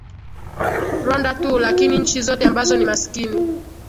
rwanda tu lakini nchi zote ambazo ni maskini